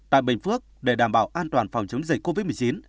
tại bình phước để đảm bảo an toàn phòng chống dịch covid một mươi chín